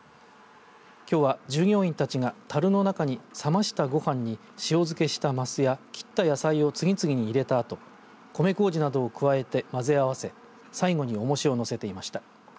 きょうは従業員たちがたるの中に冷ましたご飯に塩漬けした、ますや野菜を次々に入れたあと米こうじなどを加えて混ぜ合わせ最後におもしを乗せていました。